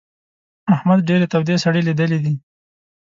احمد ډېرې تودې سړې ليدلې دي.